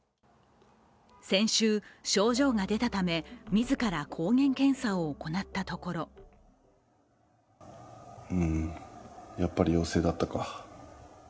先週、症状が出たため自ら抗原検査を行ったところやっぱり陽性だったか。